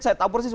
saya tahu persis